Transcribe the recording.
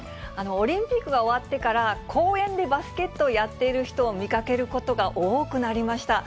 オリンピックが終わってから、公園でバスケットをやっている人を見かけることが多くなりました。